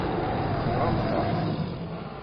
Tenɣamt-aɣ-t.